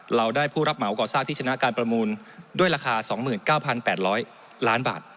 เราได้ผู้รับเหมาก่อสร้างที่ชนะการประมูลด้วยราคาสองหมื่นเก้าพันแปดร้อยล้านบาท